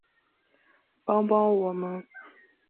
帮帮我们